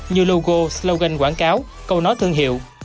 như logo slogan quảng cáo câu nói thương hiệu